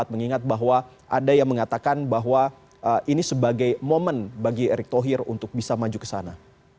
mengingat bahwa ada yang mengatakan bahwa ini sebagai momen bagi erick thohir untuk bisa maju ke sana